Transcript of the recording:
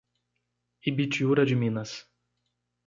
Ibitiúra de Minas